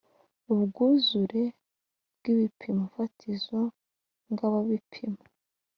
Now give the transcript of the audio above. ubwuzure bw ibipimo fatizo ngababipimo